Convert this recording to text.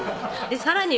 さらに